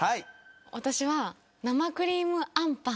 私は生クリームあんぱん。